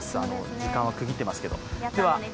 時間は区切ってますけど。